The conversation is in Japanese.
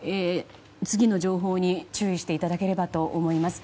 次の情報に注意していただければと思います。